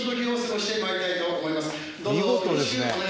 「見事ですね。